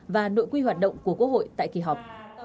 và nội quy hoạt động của quốc hội tại kỳ họp